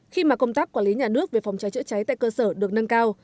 khi mà công tác quản lý nhà nước về phòng cháy chữa cháy tại cơ sở được nâng cao